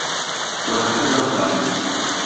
دۆخەکە زۆر خراپ بوو.